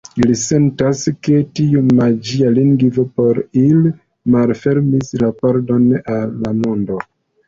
Ili sentas, ke tiu magia lingvo por ili malfermis la pordon al la mondo.